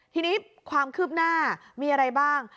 ทีนี้ความคืบหน้ามีอะไรบ้าง